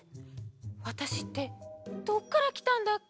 わたしってどっからきたんだっけ？